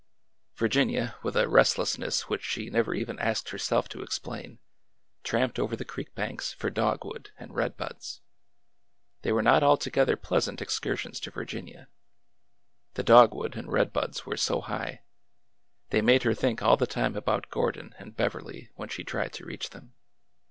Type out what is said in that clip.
Virginia, with a restlessness which she never even asked herself to explain, tramped over the creek banks for dogwood and redbuds. They were not altogether pleasant excursions to Virginia. The dogwood and red buds were so high. They made her think all the time about Gordon and Beverly when she tried to reach them.